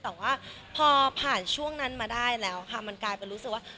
แต่ว่าพอผ่านช่วงนั้นมาได้แล้วค่ะมันกลายเป็นรู้สึกว่า